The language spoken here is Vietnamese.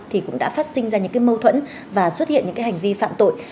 thì cũng đã phát sinh ra những cái mâu thuẫn và xuất hiện những cái hành vi phạm tội